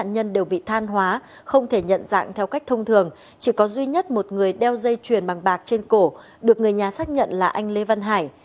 nạn nhân đều bị than hóa không thể nhận dạng theo cách thông thường chỉ có duy nhất một người đeo dây chuyền bằng bạc trên cổ được người nhà xác nhận là anh lê văn hải